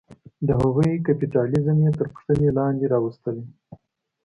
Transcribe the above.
د هغوی کیپیټالیزم یې تر پوښتنې لاندې راوستلې.